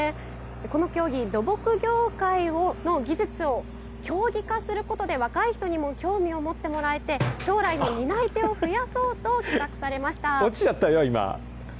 この競技、土木業界の技術を競技化することで、若い人にも興味を持ってもらえて将来の担い手を増やそうと、落ちちゃったよ、今。